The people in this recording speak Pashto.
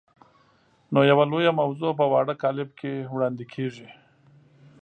نو یوه لویه موضوع په واړه کالب کې وړاندې کېږي.